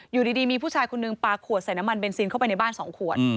อยู่ดีมีผู้ชายคนนึงปลาขวดใส่น้ำมันเบนซินเข้าไปในบ้าน๒ขวด